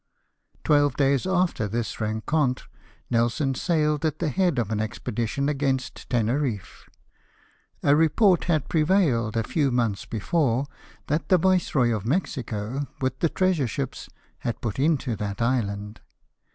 Twelve days after this rencontre Nelson sailed at the head of an expedition against Teneriffe. A report had prevailed a few months before that the viceroy of Mexico, with the treasure ships, had put into that island.